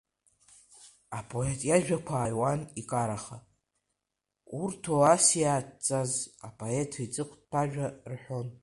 Апоет иажәақәа ааҩуан икараха, урҭуасиаҭҵас апоет иҵыхәтәажәа рҳәон.